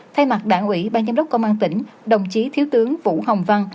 thay mặt đảng ủy ban giám đốc công an tỉnh đồng chí thiếu tướng vũ hồng văn